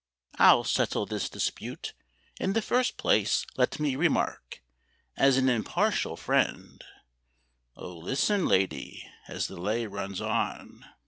I'll settle this dispute: in the first place Let me remark, as an impartial friend——" Oh, listen, lady, as the lay runs on!